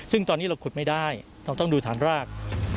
ซึ่งตอนนี้เราขุดไม่ได้เราต้องดูฐานราก